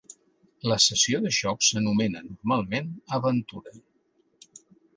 La sessió de jocs s'anomena, normalment, aventura.